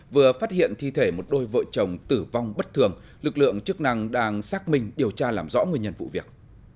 vừa phát hiện thi thể một đôi vợ chồng tử vong bất thường lực lượng chức năng đang xác minh điều tra làm rõ nguyên nhân vụ việc